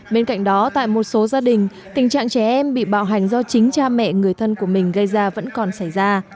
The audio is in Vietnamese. bên cạnh đó tại một số gia đình tình trạng trẻ em bị bạo hành do chính cha mẹ người thân của mình gây ra vẫn còn xảy ra